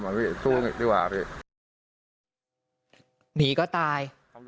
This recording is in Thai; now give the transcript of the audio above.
บ๊วยคุณภิกษ์หนีก็ตาย